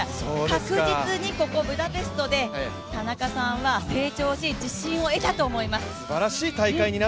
確実にここブダペストで田中さんは成長し、自信を得たと思います。